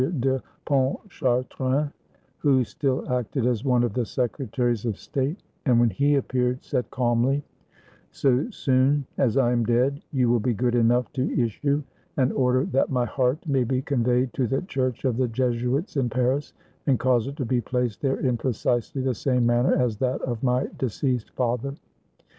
de Pontchartrain, who still acted as one of the secretaries of state, and when he appeared, said calmly, — "So soon as I am dead, you will be good enough to issue an order that my heart may be conveyed to the church of the Jesuits in Paris, and cause it to be placed there in precisely the same manner as that of my de ceased father."